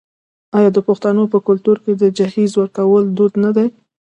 آیا د پښتنو په کلتور کې د جهیز ورکول دود نه دی؟